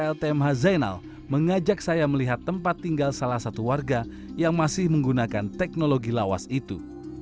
ltmh zainal mengajak saya melihat tempat tinggal salah satu warga yang masih menggunakan teknologi lawas itu